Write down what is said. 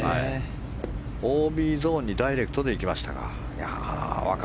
ＯＢゾーンにダイレクトで行きましたか。